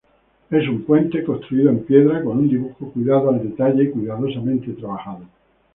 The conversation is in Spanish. Es un puente construido en piedra, con un dibujo cuidado al detalle, cuidadosamente trabajado.